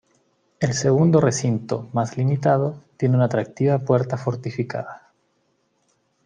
El segundo recinto, más limitado, tiene una atractiva puerta fortificada.